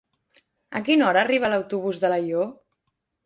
A quina hora arriba l'autobús d'Alaior?